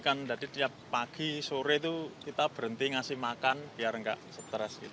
jadi tiap pagi sore itu kita berhenti ngasih makan biar enggak stres gitu